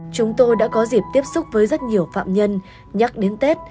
chúng tôi đã có dịp tiếp xúc với rất nhiều phạm nhân nhắc đến tết